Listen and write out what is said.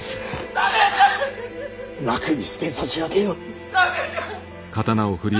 駄目じゃ！